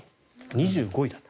２５位だった。